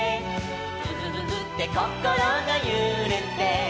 「くふふふってこころがゆれて」